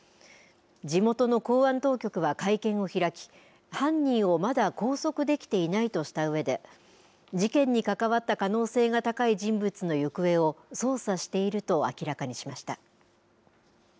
地元の公安当局は会見を開き犯人をまだ拘束できていないとしたうえで事件に関わった可能性が高い人物の行方を捜査していると明らかにしました。